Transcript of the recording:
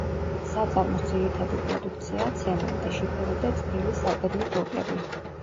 საწარმოს ძირითადი პროდუქციაა ცემენტი, შიფერი და წვრილი საკედლე ბლოკები.